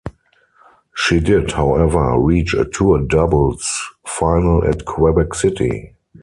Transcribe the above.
She did, however, reach a tour doubles final at Quebec City.